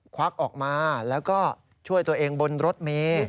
ควักออกมาแล้วก็ช่วยตัวเองบนรถเมย์